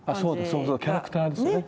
そうそうキャラクターですよね。